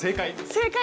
正解！